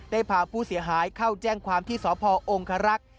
ได้พาผู้เสียหายเข้าแจ้งความที่สพองครักษ์